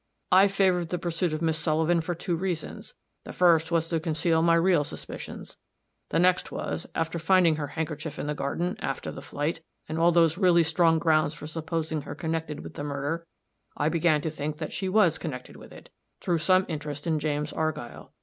I favored the pursuit of Miss Sullivan for two reasons; the first was to conceal my real suspicions; the next was, after finding her handkerchief in the garden, after the flight, and all those really strong grounds for supposing her connected with the murder, I began to think that she was connected with it, through some interest in James Argyll.